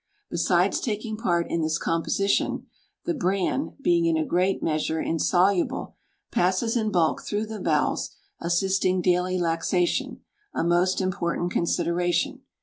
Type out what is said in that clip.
Besides taking part in this composition, the bran, being in a great measure insoluble, passes in bulk through the bowels, assisting daily laxation a most important consideration.